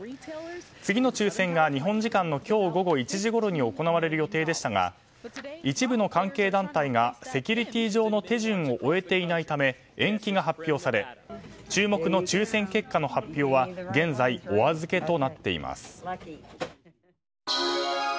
次の抽せんが日本時間の今日午後１時ごろ行われる予定でしたが一部の関係団体がセキュリティー上の手順を終えていないため延期が発表され注目の抽選結果の発表は現在お預けとなっています。